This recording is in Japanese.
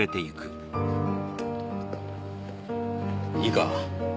いいか？